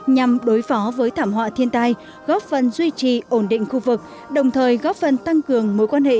nhằm đối phó với thảm họa thiên tai góp phần duy trì ổn định khu vực đồng thời góp phần tăng cường mối quan hệ